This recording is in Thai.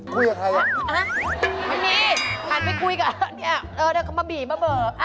คุยกับใครฮะไม่มีข่านไปคุยกับเค้านี่เออแล้วเขามาบีบกับเบิร์ดเอ้า